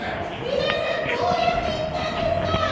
皆さんどうやって行ったんですか！